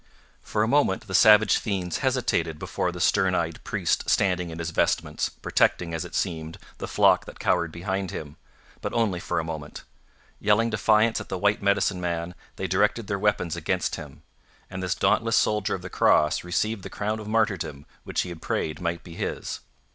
For a moment the savage fiends hesitated before the stern eyed priest standing in his vestments, protecting, as it seemed, the flock that cowered behind him; but only for a moment. Yelling defiance at the white medicine man, they directed their weapons against him; and this dauntless soldier of the Cross received the crown of martyrdom which he had prayed might be his.